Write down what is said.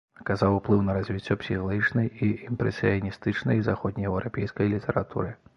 Аказаў ўплыў на развіццё псіхалагічнай і імпрэсіяністычнай заходнееўрапейскай літаратуры.